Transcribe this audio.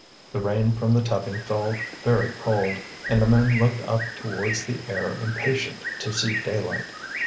The rain from the tubbing fell very cold, and the men looked up towards the air impatient to see daylight.